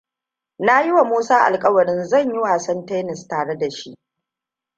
Na yi wa Musa alkawarin zan yi wasan Tennis tare da shi.